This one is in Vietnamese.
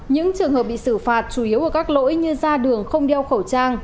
những trường hợp bị xử phạt chủ yếu ở các lỗi như ra đường không đeo khẩu trang